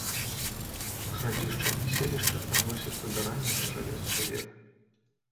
Гарадзішча і селішча адносяцца да ранняга жалезнага веку.